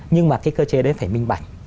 nhưng mà cái cơ chế đấy phải minh bạch